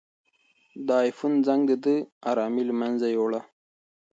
د آیفون زنګ د ده ارامي له منځه یووړه.